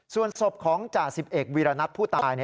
ส่วนศพของจ่า๑๑วีรณัฐผู้ตาย